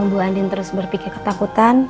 bu andin terus berpikir ketakutan